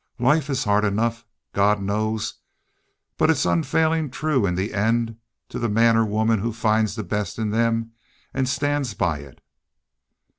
Life is hard enough, God knows, but it's unfailin' true in the end to the man or woman who finds the best in them an' stands by it."